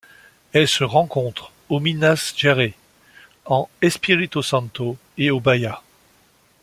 Elle se rencontre au Minas Gerais, en Espírito Santo et au Bahia.